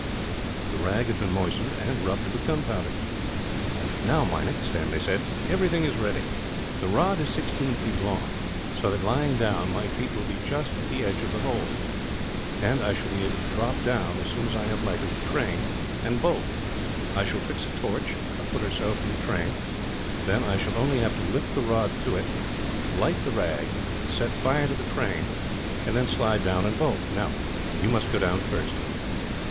The rag had been moistened, and rubbed with gunpowder. "Now, Meinik," Stanley said, "everything is ready. This rod is sixteen feet long, so that, lying down, my feet will be just at the edge of the hole; and I shall be able to drop down, as soon as I have lighted the train, and bolt. I shall fix a torch, a foot or so from the train; then I shall only have to lift the rod to it, light the rag, set fire to the train, and then slide down and bolt. "Now, you must go down first."